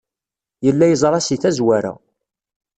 Yella yeẓra si tazwara.